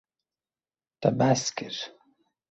Te behs kir.